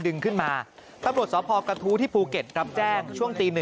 ค่อยดึงขึ้นมาปรับรวดสพกทูที่ภูเก็ตรับแจ้งช่วงตี๑